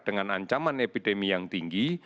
dengan ancaman epidemi yang tinggi